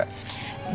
oke bentar ya pak